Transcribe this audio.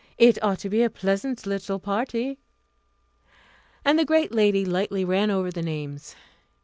It ought to be a pleasant little party." And the great lady lightly ran over the names.